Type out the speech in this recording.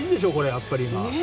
やっぱり今。